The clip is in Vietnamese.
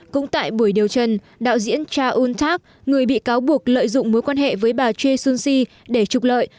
cũng tại buổi điều trần đạo diễn cha eun tak người bị cáo buộc lợi dụng mối quan hệ với bà choi soon sin để trục lợi